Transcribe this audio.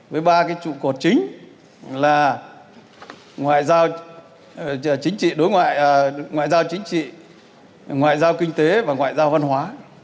với ba trụ cột chính là ngoại giao chính trị ngoại giao kinh tế và ngoại giao văn hóa